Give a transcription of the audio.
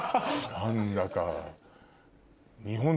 何だか。